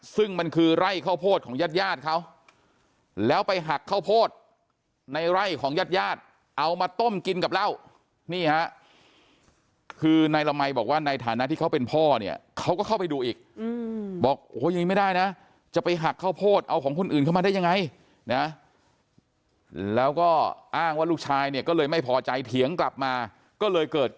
ซึ่งมันคือไร่ข้าวโพดของญาติญาติเขาแล้วไปหักข้าวโพดในไร่ของญาติญาติเอามาต้มกินกับเหล้านี่ฮะคือนายละมัยบอกว่าในฐานะที่เขาเป็นพ่อเนี่ยเขาก็เข้าไปดูอีกบอกโอ้โหอย่างนี้ไม่ได้นะจะไปหักข้าวโพดเอาของคนอื่นเข้ามาได้ยังไงนะแล้วก็อ้างว่าลูกชายเนี่ยก็เลยไม่พอใจเถียงกลับมาก็เลยเกิด